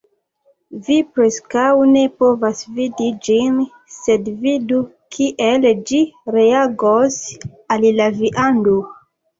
Vi preskaŭ ne povas vidi ĝin sed vidu kiel ĝi reagos al la viando